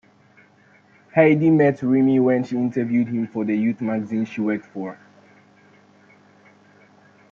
Heidi met Remee when she interviewed him for the youth magazine she worked for.